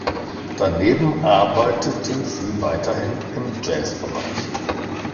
Daneben arbeitete sie weiterhin im Jazzbereich.